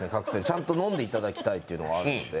ちゃんと飲んでいただきたいというのはあるんで。